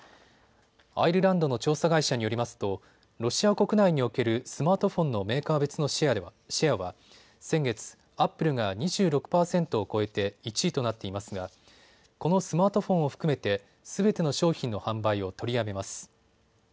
アイルランドの調査会社によりますとロシア国内におけるスマートフォンのシェアは先月、アップルが２６％を超えて１位となっていますがこのスマートフォンを含めてすべての商品の販売を取りやめます。